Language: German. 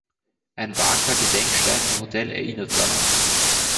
Ein Waka-Gedenkstein im Hotel erinnert daran.